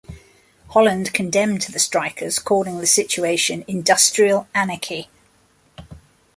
Holland condemned the strikers, calling the situation "industrial anarchy".